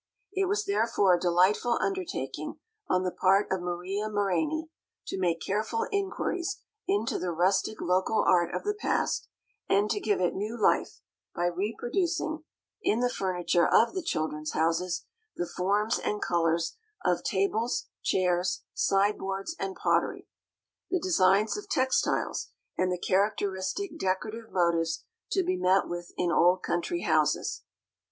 It was therefore a delightful undertaking on the part of Maria Maraini to make careful inquiries into the rustic local art of the past, and to give it new life by reproducing, in the furniture of the "Children's Houses," the forms and colors of tables, chairs, sideboards, and pottery, the designs of textiles and the characteristic decorative motives to be met with in old country houses.